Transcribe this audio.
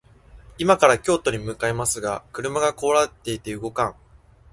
今から京都に向かいますが、車が壊れていて動かん